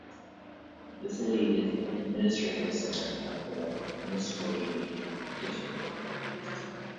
The city is administrative center of the Nisporeni District.